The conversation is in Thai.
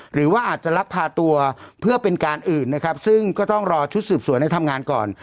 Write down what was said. หรือว่าอาจจะลักพาตัวเพื่อเป็นการอื่นนะครับซึ่งก็ต้องรอชุดสืบสวนให้ทำงานก่อน